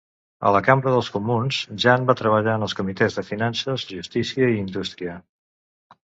A la Cambra dels Comuns, Jean va treballar en els comitès de Finances, Justícia i Indústria.